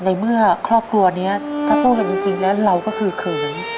ในเมื่อครอบครัวนี้ถ้าพูดกันจริงแล้วเราก็คือเขิน